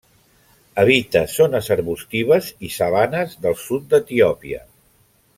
Habita zones arbustives i sabanes del sud d'Etiòpia.